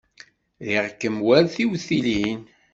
Riɣ-kem war tiwtilin.